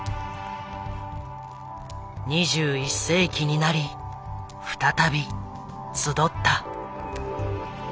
２１世紀になり再び集った。